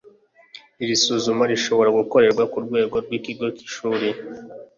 iri suzuma rishobora gukorerwa ku rwego rw'ikigo k’ishuri